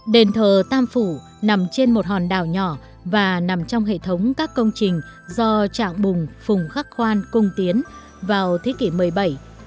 đền thờ tam phủ nằm trên một hòn đảo nhỏ và nằm trong hệ thống các công trình do trạng bùng phùng khắc khoan cung tiến vào thế kỷ một mươi bảy